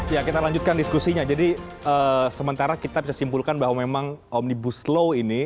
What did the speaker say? ya kita lanjutkan diskusinya jadi sementara kita bisa simpulkan bahwa memang omnibus law ini